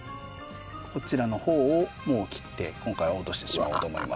こちらのほうをもう切って今回は落としてしまおうと思います。